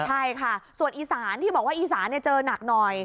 ใช่ค่ะส่วนอีสานที่บอกว่าอีสานเจอหนักหน่อย